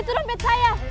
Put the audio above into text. itu rumpet saya